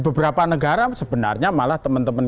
beberapa negara sebenarnya malah teman teman